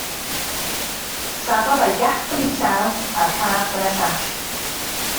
Safodd a'i gap yn un llaw a'r rhaff yn y llall.